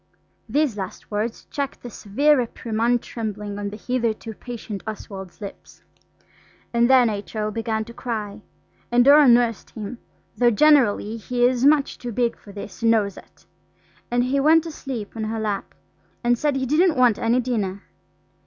These last words checked the severe reprimand trembling on the hitherto patient Oswald's lips. And then H.O. began to cry, and Dora nursed him, though generally he is much too big for this and knows it. And he went to sleep on her lap, and said he didn't want any dinner.